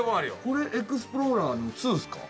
これエクスプローラーのⅡですか？